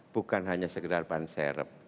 bukan hanya sekedar ban serep